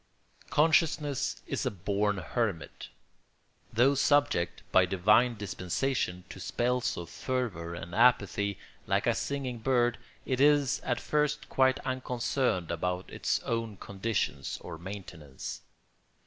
] Consciousness is a born hermit. Though subject, by divine dispensation, to spells of fervour and apathy, like a singing bird, it is at first quite unconcerned about its own conditions or maintenance.